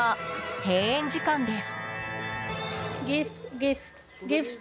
閉園時間です。